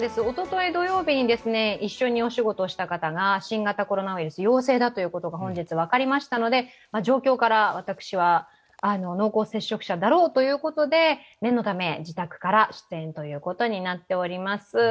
おととい土曜日に一緒にお仕事をした方が新型コロナウイルス陽性だということが本日分かりましたので、状況から私は濃厚接触者だろうということで、念のため自宅から出演ということになっております。